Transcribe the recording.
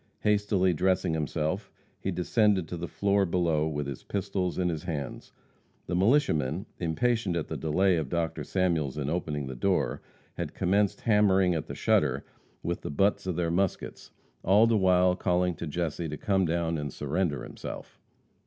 Hastily dressing himself, he descended to the floor below with his pistols in his hands. The militiamen, impatient at the delay of Dr. Samuels in opening the door, had commenced hammering at the shutter with the butts of their muskets, all the while calling to Jesse to come down and surrender himself.